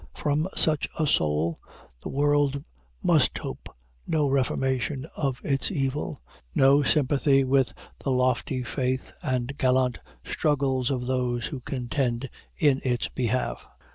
From such a soul the world must hope no reformation of its evil no sympathy with the lofty faith and gallant struggles of those who contend in its behalf.